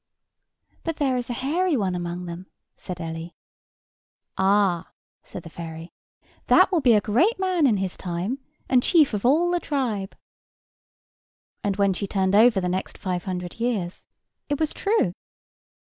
"But there is a hairy one among them," said Ellie. "Ah!" said the fairy, "that will be a great man in his time, and chief of all the tribe." And, when she turned over the next five hundred years, it was true.